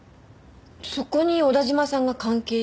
そこに小田嶋さんが関係していると？